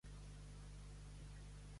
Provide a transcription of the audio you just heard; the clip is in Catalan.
Sense dolor no hi ha amor.